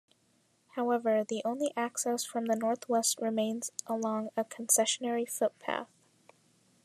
However, the only access from the North West remains along a concessionary footpath.